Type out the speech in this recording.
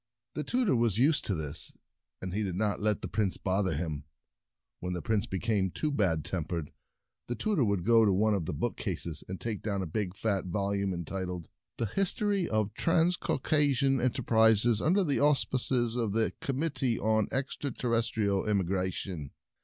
The tutor was used to this, and he did not let the Prince bother him. When the Prince became too bad tem pered, the tutor would go to one of the bookcases and take down a big fat volume entitled and the Dragons 19 "The History of Transcauca sian Enterprises under the Aus pices of the Committee on Extra territorial Immigration."